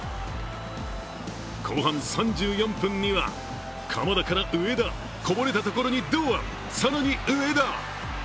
後半３４分には鎌田から上田、こぼれたところに堂安、更に上田！